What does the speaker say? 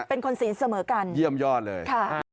เป็นคนศีลเสมอกันเยี่ยมยอดเลย